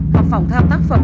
hoặc phỏng tham tác phẩm